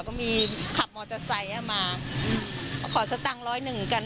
ก็มีขับมอเตอร์ไซค์มาขอสตัง๑๐๑กัน